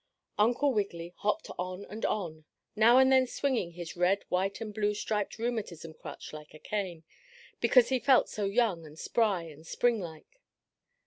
Uncle Wiggily hopped on and on, now and then swinging his red white and blue striped rheumatism crutch like a cane, because he felt so young and spry and spring like.